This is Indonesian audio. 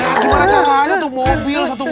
iya gimana caranya tuh mobil satu mulut